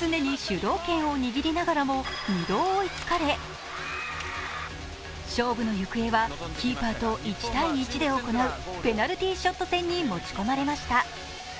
常に主導権を握りながらも２度追いつかれ、勝負の行方はキーパーと１対１で行うペナルティーショット戦に持ち込まれました。